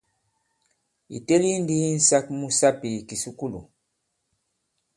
Ì teli ndi insāk mu sapì i kìsùkulù.